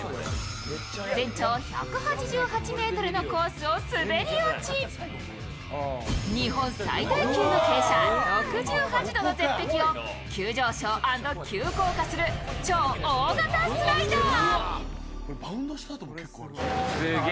全長１８８ｍのコースを滑り落ち、日本最大級の傾斜６８度の絶壁を急上昇＆急降下する超大型スライダー。